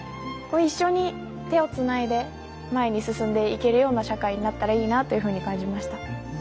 一緒に手をつないで前に進んでいけるような社会になったらいいなというふうに感じました。